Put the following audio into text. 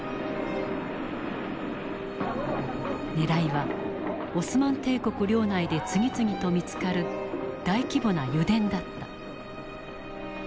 ねらいはオスマン帝国領内で次々と見つかる大規模な油田だった。